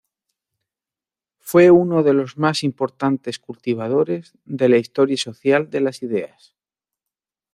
Fue uno de los más importantes cultivadores de la historia social de las ideas.